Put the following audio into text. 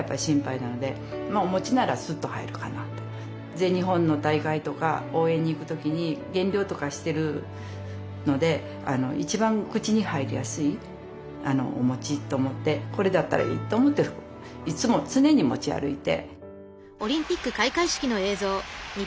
全日本の大会とか応援に行く時に減量とかしてるのでこれだったらいいと思っていつも常に持ち歩いて。